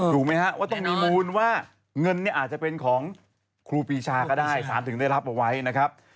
ถูกไหมฮะว่าต้องมีมูลว่าเงินเนี่ยอาจจะเป็นของครูปีชาก็ได้สารถึงได้รับเอาไว้นะครับ